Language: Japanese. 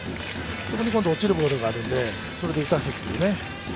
そこに今度落ちるボールがあるので、それで打たせてね。